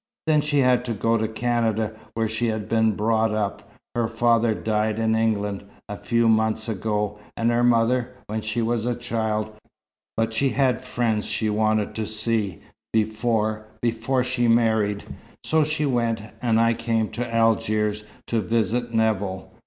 Then she had to go to Canada, where she'd been brought up her father died in England, a few months ago, and her mother, when she was a child; but she had friends she wanted to see, before before she married. So she went, and I came to Algiers, to visit Nevill.